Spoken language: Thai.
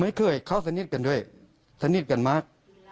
เคยเขาสนิทกันด้วยสนิทกันมาก